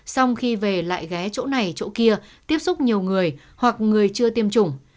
xong khi về lại ghé chỗ này chỗ kia tiếp xúc nhiều người hoặc người chưa tiêm chủng